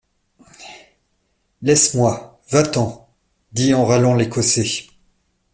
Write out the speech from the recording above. Laisse-moi! va-t-en », dit en râlant l’Écossais.